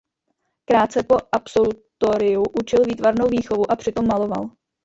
Krátce po absolutoriu učil výtvarnou výchovu a přitom maloval.